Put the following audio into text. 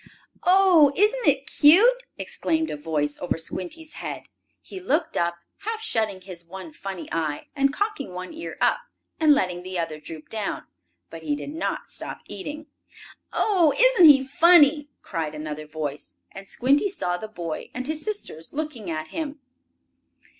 "Oh, isn't it cute!" exclaimed a voice over Squinty's head. He looked up, half shutting his one funny eye, and cocking one ear up, and letting the other droop down. But he did not stop eating. "Oh, isn't he funny!" cried another voice. And Squinty saw the boy and his sisters looking at him.